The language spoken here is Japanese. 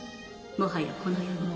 もはやこの世に。